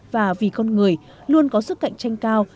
và vì con người luôn có sức cạnh tranh cao